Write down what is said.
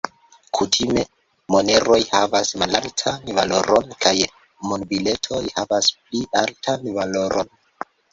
Kutime, moneroj havas malaltan valoron kaj monbiletoj havas pli altan valoron.